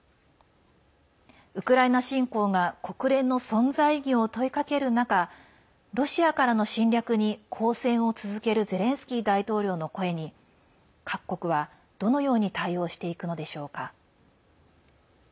ウクライナ侵攻が国連の存在意義を問いかける中ロシアからの侵略に抗戦を続けるゼレンスキー大統領の声に各国は、どのように対応していくのでしょうか。